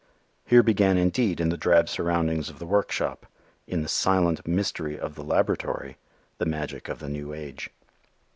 Here began indeed, in the drab surroundings of the workshop, in the silent mystery of the laboratory, the magic of the new age.